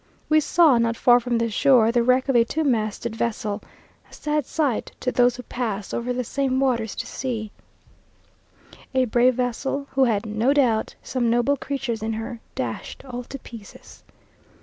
We saw, not far from the shore, the wreck of a two masted vessel; sad sight to those who pass over the same waters to see "A brave vessel, Who had, no doubt, some noble creatures in her, Dashed all to pieces!"